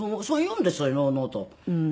そう言うんですよのうのうと。